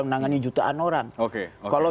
menangani jutaan orang kalau